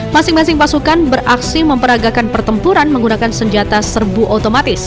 masing masing pasukan beraksi memperagakan pertempuran menggunakan senjata serbu otomatis